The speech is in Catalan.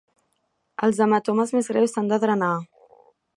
Els hematomes més greus s'han de drenar.